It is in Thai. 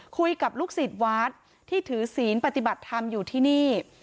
คุยกับลูกศิษย์วัดที่ถือศีลปฏิบัติธรรมอยู่ที่นี่